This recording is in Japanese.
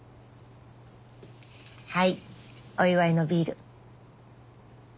はいお祝いのビール。